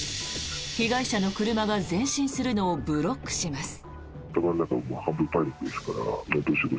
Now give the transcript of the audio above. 被害者の車が前進するのをブロックします。